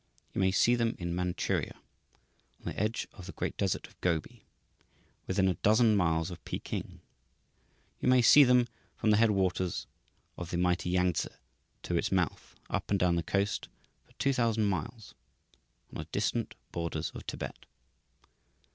You may see them in Manchuria, on the edge of the great desert of Gobi, within a dozen miles of Peking; you may see them from the headwaters of the mighty Yangtse to its mouth, up and down the coast for two thousand miles, on the distant borders of Thibet.